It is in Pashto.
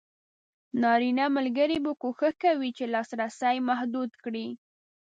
نارینه ملګري به کوښښ کوي چې لاسرسی محدود کړي.